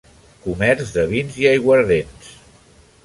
Comerç de vins i aiguardents.